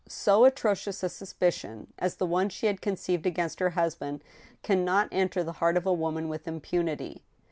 So atrocious a suspicion as the one she had conceived against her husband can not enter the heart of a woman with impunity.